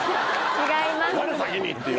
違います。